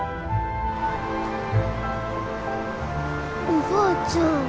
おばあちゃん。